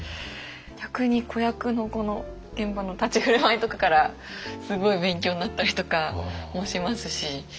逆に子役の子の現場の立ち居振る舞いとかからすごい勉強になったりとかもしますし。